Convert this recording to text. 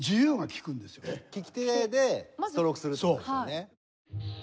きき手でストロークするって事ですよね。